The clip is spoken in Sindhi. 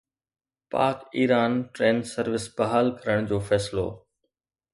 پاڪ ايران ٽرين سروس بحال ڪرڻ جو فيصلو